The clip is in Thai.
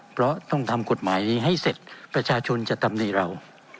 เพราะต้องทำกฎหมายนี้ให้เสร็จประชาชนจะตำหนิเรา